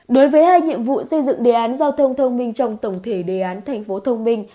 đối với hai nhiệm vụ xây dựng đề án giao thông thông minh trong tổng thể đề án thành phố thông minh